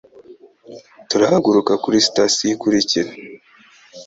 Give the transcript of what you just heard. Turahaguruka kuri sitasiyo ikurikira.